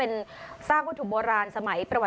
ต้องใช้ใจฟัง